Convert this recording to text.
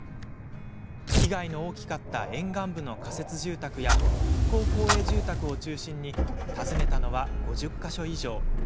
被害の大きかった沿岸部の仮設住宅や復興公営住宅を中心に訪ねたのは５０か所以上。